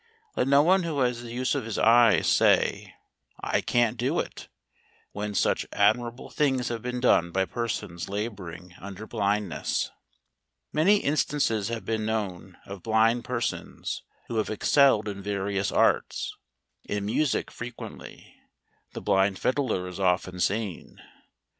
Let no one who has the use of his eyes say, " I can't do it;" when such admirable things have been done by persons labouring under blindness. Many instances have been known, of blind persons, who have excelled in various arts; in music frequently: the blind fiddler is often seen. Mr.